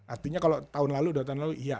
artinya kalau tahun lalu dua tahun lalu iya